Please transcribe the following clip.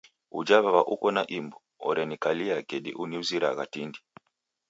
Uja w'aw'a uko na imbu, orenikalia kedi uniuziragha tindi.